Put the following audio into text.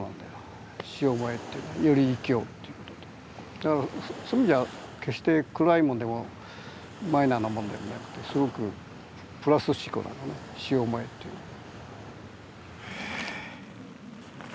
だからそういう意味じゃ決して暗いもんでもマイナーなもんでもなくてすごくプラス思考なのね「死を想え」っていうのは。